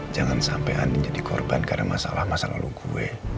jangan sampai andin jadi korban karena masalah masalah lu gue